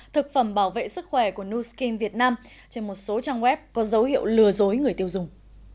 thực phẩm bảo vệ sức khỏe của nuskin việt nam trên một số trang web có dấu hiệu lừa dối người tiêu dùng